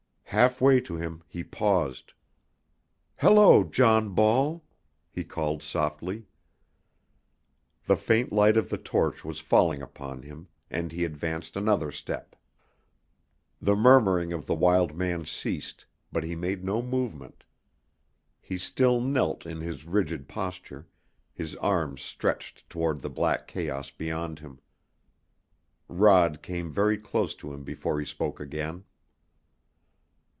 Half way to him he paused. "Hello, John Ball!" he called softly. The faint light of the torch was falling upon him, and he advanced another step. The murmuring of the wild man ceased, but he made no movement. He still knelt in his rigid posture, his arms stretched toward the black chaos beyond him. Rod came very close to him before he spoke again.